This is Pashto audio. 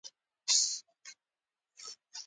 د فصلونو تر منځ مناسب واټن د حاصلاتو لپاره مهم دی.